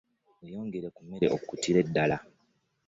Weeyongere ku mmere okkutire ddala.